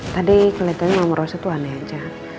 tadi kelihatannya mama rosa tuh aneh aja